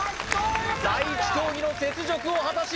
第１競技の雪辱を果たし